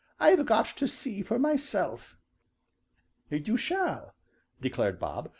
"I've got to see for myself." "You shall," declared Bob.